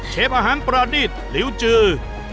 อาหารประดิษฐ์ลิวจือ